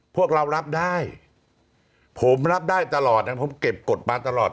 พวกเรารับได้ผมรับได้ตลอดนะผมเก็บกฎมาตลอด